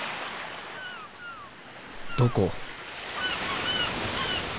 どこ？